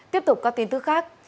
tiếp tục có tin tức khác